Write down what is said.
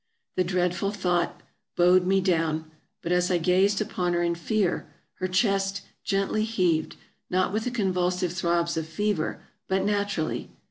The dreadful thought bowed me down ; but as I gazed upon her in fear, her chest gently heaved, not with the convulsive throbs of fever, but naturally.